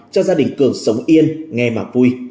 cho gia đình cường sống yên nghe mạng vui